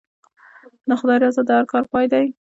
د خدای رضا د هر کار پای دی.